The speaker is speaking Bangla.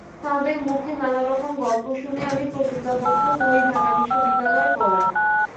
তাঁদের মুখে নানা রকম গল্প শুনে আমি প্রতিজ্ঞাবদ্ধ হই ঢাকা বিশ্ববিদ্যালয়ে পড়ার।